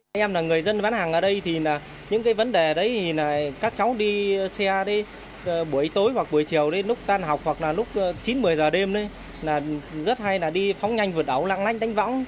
em là người dân ván hàng ở đây thì những vấn đề đấy các cháu đi xe buổi tối hoặc buổi chiều lúc tan học hoặc lúc chín một mươi giờ đêm rất hay đi phóng nhanh vượt ấu lạng lanh đánh võng